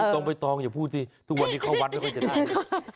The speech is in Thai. ไม่ต้องไปตองอย่าพูดสิทุกวันนี้เข้าวัดไม่ค่อยจะได้